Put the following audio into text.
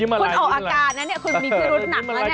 คุณออกอาการนะนี่คุณมีความรู้สึนหนักแล้วนี่